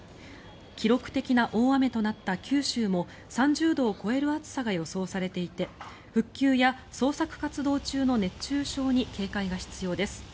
記録的な大雨となった九州も３０度を超える暑さが予想されていて復旧や捜索活動中の熱中症に警戒が必要です。